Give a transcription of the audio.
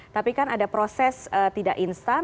tapi kan ada proses tidak instan